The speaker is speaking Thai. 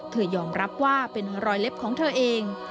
เธอยอมรับว่าเป็นรอยเล็บของเธอเอง